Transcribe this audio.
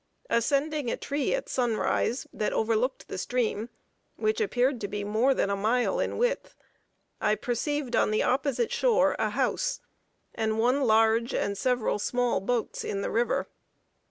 Ascending a tree at sunrise that overlooked the stream, which appeared to be more than a mile in width, I perceived on the opposite shore a house, and one large and several small boats in the river.